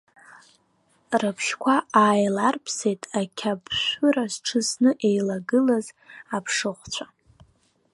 Рыбжьқәа ааиларԥсеит ақәабшәшәыра зҿысны еилагылаз аԥшыхәцәа.